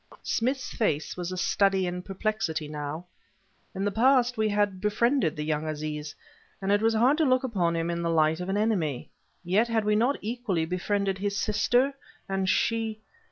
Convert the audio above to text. Smith's face was a study in perplexity, now. In the past we had befriended the young Aziz, and it was hard to look upon him in the light of an enemy. Yet had we not equally befriended his sister? and she...